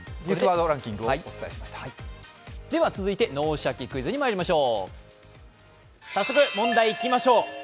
続いて「脳シャキ！クイズ」にまいりましょう。